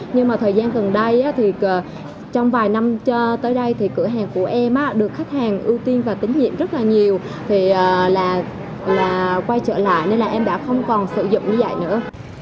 nhưng mà thời gian gần đây thì trong vài năm cho tới đây thì cửa hàng của em được khách hàng ưu tiên và tín nhiệm rất là nhiều thì là quay trở lại nên là em đã không còn sử dụng như vậy nữa